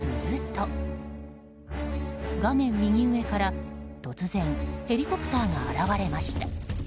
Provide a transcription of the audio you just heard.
すると画面右上から突然、ヘリコプターが現れました。